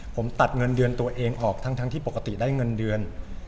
ผมตัดเงินเดือนตัวเองออกทั้งที่ปกติได้เงินเดือน